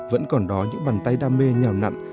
vẫn còn đó những bàn tay đam mê nhào nặn